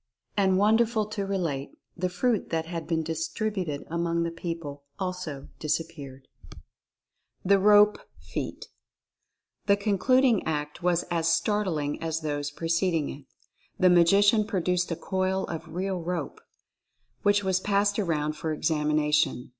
And, wonderful to re late, the fruit that had been distributed among the people also disappeared. THE ROPE FEAT. The concluding act was as startling as those preced ing it. The Magician produced a coil of real rope, which was passed around for examination.